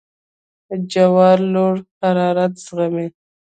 جوار لوړ حرارت زغمي.